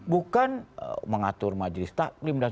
bukan mengatur majelis taklim